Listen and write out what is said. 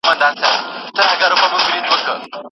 ناڅاپه غوسه د تاوتریخوالي چلند ته لاره هواروي.